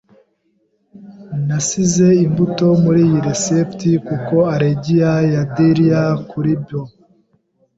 Nasize imbuto muri iyi resept kuko allergiya ya Delia kuri bo.